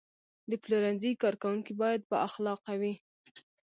د پلورنځي کارکوونکي باید بااخلاقه وي.